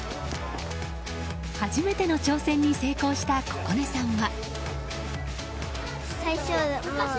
初めての挑戦に成功した心寧さんは。